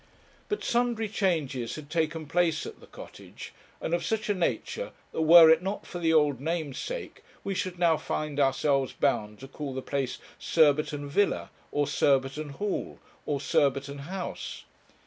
But sundry changes had taken place at the Cottage, and of such a nature, that were it not for the old name's sake, we should now find ourselves bound to call the place Surbiton Villa, or Surbiton Hall, or Surbiton House.